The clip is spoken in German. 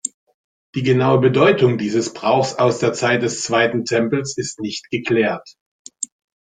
Die genaue Bedeutung dieses Brauchs aus der Zeit des zweiten Tempels ist nicht geklärt.